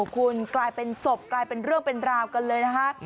คุณกลายเป็นศพกลายเป็นเรื่องเป็นราวกันเลยนะคะ